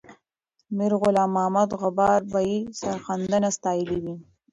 میرغلام محمد غبار به یې سرښندنه ستایلې وي.